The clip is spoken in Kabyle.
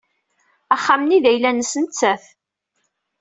Axxam-nni d ayla-nnes nettat.